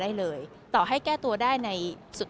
แต่เสียหายไปถึงบุคคลที่ไม่เกี่ยวข้องด้วย